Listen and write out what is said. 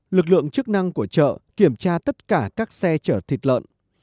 lực lượng chức năng của chợ kiểm tra tất cả các xe chở thịt lợn